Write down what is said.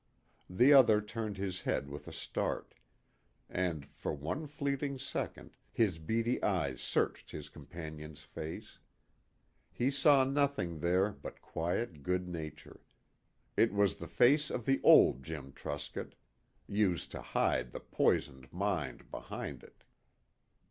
The other turned his head with a start, and, for one fleeting second, his beady eyes searched his companion's face. He saw nothing there but quiet good nature. It was the face of the old Jim Truscott used to hide the poisoned mind behind it.